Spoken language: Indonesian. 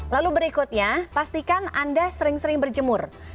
lalu berikutnya pastikan anda sering sering berjemur